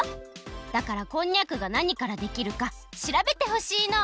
だからこんにゃくがなにからできるかしらべてほしいの！